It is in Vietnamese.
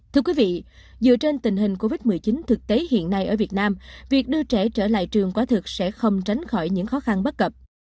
thưa quý vị dựa trên tình hình covid một mươi chín thực tế hiện nay ở việt nam việc đưa trẻ trở lại trường quá thực sẽ không tránh khỏi những khó khăn bất cập